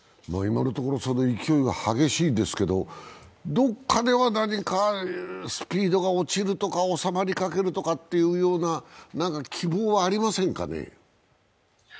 今のところその勢いは激しいですけど、どこかではスピードが落ちるとか収まりかけるというような希望はありませんかね？